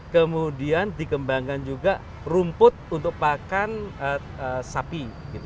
kemudian dikembangkan juga rumput untuk pakan sapi